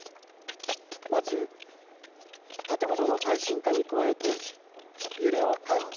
まず建物の耐震化に加えて揺れを感じ